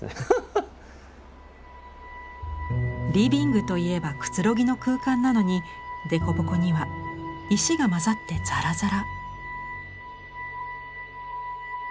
リビングといえばくつろぎの空間なのに凸凹には石が混ざってざらざら。